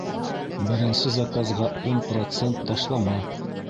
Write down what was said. Беренсе заказға ун процент ташлама!